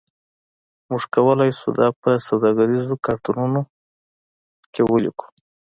موږ کولی شو دا په سوداګریزو کارتونو کې ولیکو